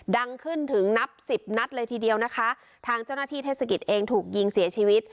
ดังขึ้นถึงนับสิบนัดเลยทีเดียวนะคะทางเจ้าหน้าที่เทศกิจเองถูกยิงเสียชีวิต